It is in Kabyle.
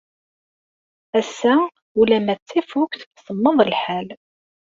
Ass-a, ula ma d tafukt, semmeḍ lḥal.